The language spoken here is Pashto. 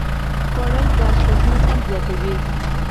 خوړل د پخلي خوند زیاتوي